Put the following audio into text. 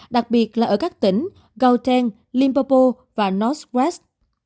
đặc biệt là ở các tỉnh gauteng limpopo và northwest